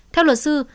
theo luật sư